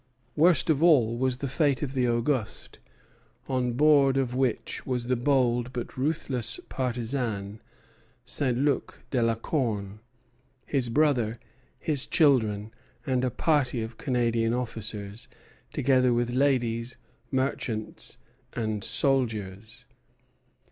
Worst of all was the fate of the "Auguste," on board of which was the bold but ruthless partisan, Saint Luc de la Corne, his brother, his children, and a party of Canadian officers, together with ladies, merchants, and soldiers.